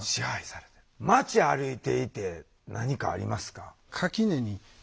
街歩いていて何かありますか？